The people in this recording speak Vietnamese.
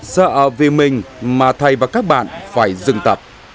sợ vì mình mà thầy và các bạn phải dừng tập